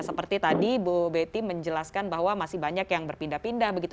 seperti tadi bu betty menjelaskan bahwa masih banyak yang berpindah pindah begitu